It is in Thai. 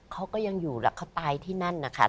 เขาก็ยังอยู่แล้วเขาตายที่นั่นนะคะ